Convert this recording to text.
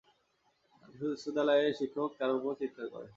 সুদালাইয়ের শিক্ষক তার উপর চিৎকার করে।